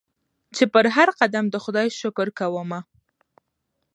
چي پر هرقدم د خدای شکر کومه